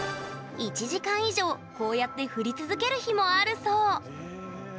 １時間以上、こうやって振り続ける日もあるそう。